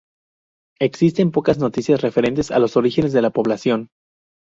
Existen pocas noticias referentes a los orígenes de la población.